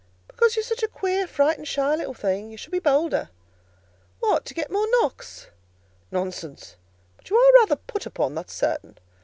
"Because you're such a queer, frightened, shy little thing. You should be bolder." "What! to get more knocks?" "Nonsense! But you are rather put upon, that's certain.